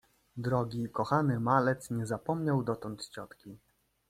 Drogi, kochany malec nie zapomniał dotąd ciotki.